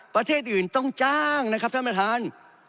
ประเทศอื่นต้องจ้างนะครับท่านประธาน